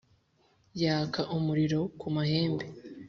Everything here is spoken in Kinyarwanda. Yaka umuriro ku mahembe